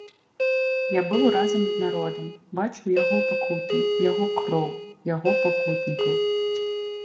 Я быў разам з народам, бачыў яго пакуты, яго кроў, яго пакутнікаў.